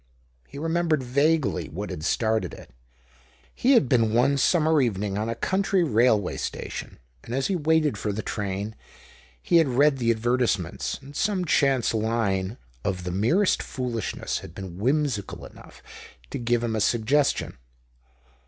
He remembered vaguely what had started it. He had been one summer evening on a country railway station ; and as he waited for the train, he had read the advertisements, and some chance line of the merest foolishness had been whimsical enough to give him a suggestion.